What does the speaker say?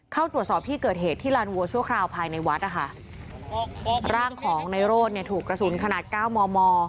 เข้าตรวจสอบที่เกิดเหตุที่ลานวัวชั่วคราวภายในวัดนะคะร่างของในโรธเนี่ยถูกกระสุนขนาดเก้ามอมอ